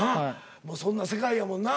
もうそんな世界やもんな。